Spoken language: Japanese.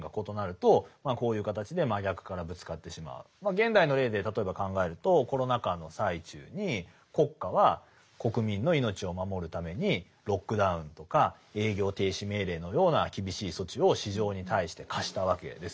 現代の例で例えば考えるとコロナ禍の最中に国家は国民の命を守るためにロックダウンとか営業停止命令のような厳しい措置を市場に対して課したわけです。